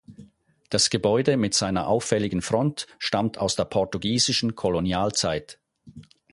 Das Gebäude mit seiner auffälligen Front stammt aus der portugiesischen Kolonialzeit.